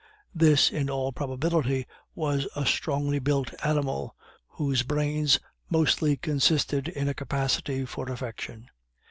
This, in all probability, was a strongly build animal, whose brains mostly consisted in a capacity for affection.